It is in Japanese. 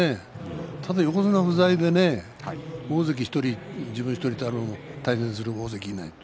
ただ横綱不在で大関１人、自分１人で対戦する大関がいない